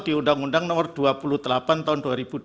di undang undang nomor dua puluh delapan tahun dua ribu dua